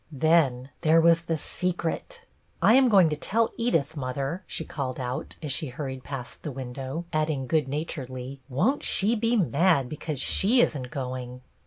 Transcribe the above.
Then there was The Secret! " I am going to tell Edith, mother," she called out, as she hurried past the window, adding good naturedly, "Won't she be mad because she is n't going